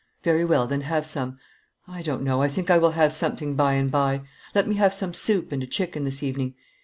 Very well, then, have some. I don't know, I think I will have something by and by; let me have some soup and a chicken this evening.